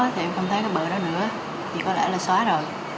thì em không thấy cái bờ đó nữa thì có lẽ là xóa rồi